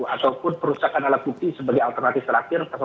ataupun perusahaan alat bukti sebagai alternatif terakhir pasal dua ratus tiga puluh